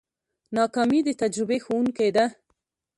ناکامي د تجربې ښوونکې ده.